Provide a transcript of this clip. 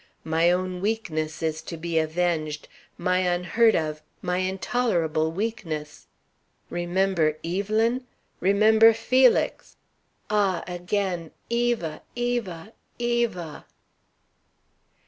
My own weakness is to be avenged my unheard of, my intolerable weakness. Remember Evelyn? Remember Felix! Ah, again! Eva! Eva! Eva!"